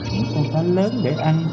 những con cá lớn để ăn